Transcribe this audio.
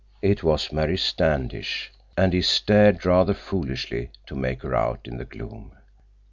It was Mary Standish, and he stared rather foolishly to make her out in the gloom.